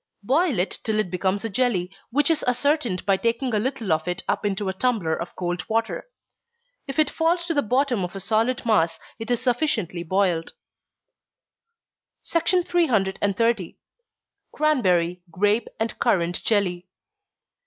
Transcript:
Boil it till it becomes a jelly, which is ascertained by taking a little of it up into a tumbler of cold water. If it falls to the bottom in a solid mass, it is sufficiently boiled. 330. _Cranberry, Grape, and Currant Jelly.